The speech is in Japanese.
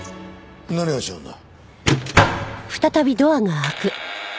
何が違うんだ？